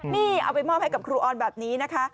นี่เอาไปมอบให้กับครูออนแบบนี้นะคะ